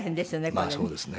まあそうですね。